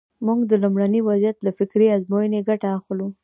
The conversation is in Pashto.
موږ د لومړني وضعیت له فکري ازموینې ګټه اخلو.